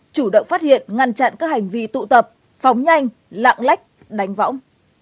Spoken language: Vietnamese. chủ động phát hiện ngăn chặn các hành vi tụ tập phóng nhanh lạng lách đánh võng